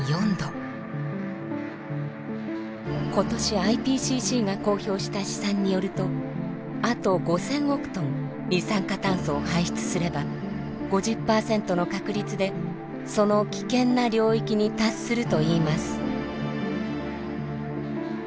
今年ＩＰＣＣが公表した試算によるとあと５，０００億トン二酸化炭素を排出すれば５０％の確率でその「危険な領域」に達するといいます。